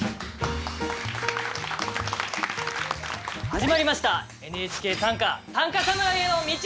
始まりました「ＮＨＫ短歌短歌侍への道」！